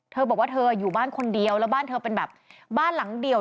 เธอบอกว่าเธออยู่บ้านคนเดียวแล้วบ้านเธอเป็นแบบบ้านหลังเดียว